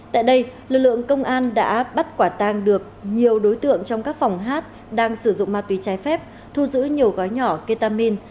tại đây lực lượng công an đã bắt quả tang được nhiều đối tượng trong các phòng hát đang sử dụng ma túy trái phép thu giữ nhiều gói nhỏ ketamin